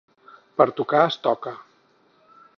Per tocar es toca.